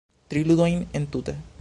Tri ludojn entute